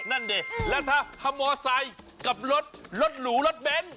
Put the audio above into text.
นั่นดีแล้วถ้ามอเซ้ยกับรถหลู่รถเบล